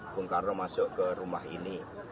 bung karno masuk ke rumah ini